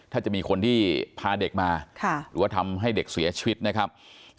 ถ้าจะมีคนที่พาเด็กมาหรือว่าทำให้เด็กเสียชีวิตนะครับ